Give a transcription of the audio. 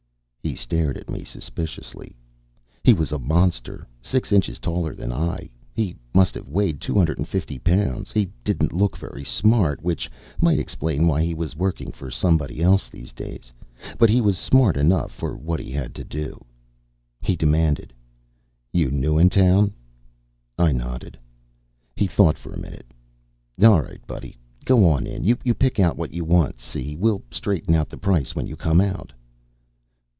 He stared at me suspiciously. He was a monster; six inches taller than I, he must have weighed two hundred and fifty pounds. He didn't look very smart, which might explain why he was working for somebody else these days. But he was smart enough for what he had to do. He demanded: "You new in town?" I nodded. He thought for a minute. "All right, buddy. Go on in. You pick out what you want, see? We'll straighten out the price when you come out."